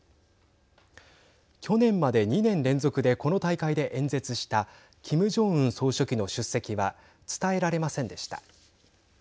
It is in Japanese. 去年まで２年連続でこの大会で演説したキム・ジョンウン総書記の出席は伝えられませんでした。